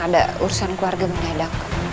ada urusan keluarga yang tidak ada